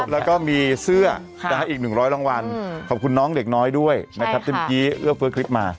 แล้วก็มีเสื้อนะครับอีก๑๐๐รางวัลขอบคุณน้องเด็กน้อยด้วยนะครับเต้นกี้เอื้อเพิ่มคลิปมา